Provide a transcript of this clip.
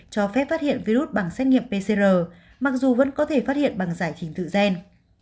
cho phép phát hiện virus bằng xét nghiệm pcr mặc dù vẫn có thể phát hiện bằng giải trình tự gen